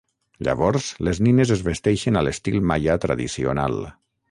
Llavors les nines es vesteixen a l'estil maia tradicional.